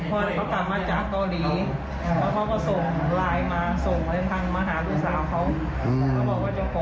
พอเขากลับมาจากต่อหลีเขาก็ส่งไลน์มาส่งเลยทางมหาวุฒาเขา